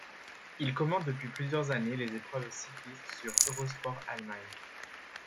Il commente depuis plusieurs années les épreuves cyclistes sur Eurosport Allemagne.